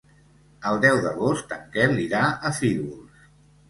El deu d'agost en Quel irà a Fígols.